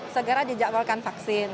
segera dijadwalkan vaksin